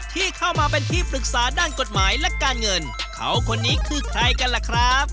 ที่เข้ามาเป็นที่ปรึกษาด้านกฎหมายและการเงินเขาคนนี้คือใครกันล่ะครับ